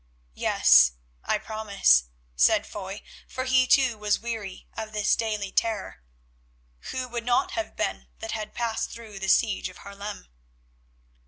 "Yes, I promise," said Foy, for he, too, was weary of this daily terror. Who would not have been that had passed through the siege of Haarlem?